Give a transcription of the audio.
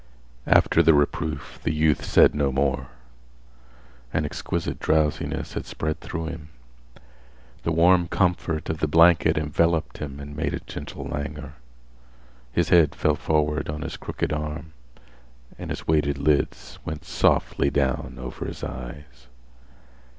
After the reproof the youth said no more. An exquisite drowsiness had spread through him. The warm comfort of the blanket enveloped him and made a gentle langour. His head fell forward on his crooked arm and his weighted lids went softly down over his eyes.